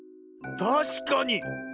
たしかに。